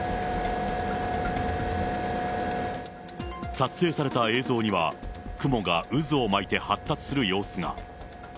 撮影された映像には、雲が渦を巻いて発達する様子が。